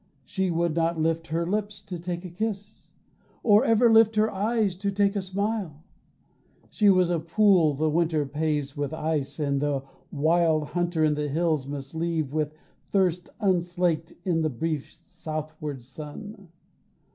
She would not lift her lips to take a kiss, Or ever lift her eyes to take a smile. She was a pool the winter paves with ice That the wild hunter in the hills must leave With thirst unslaked in the brief southward sun."